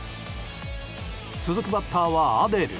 続くバッターは、アデル。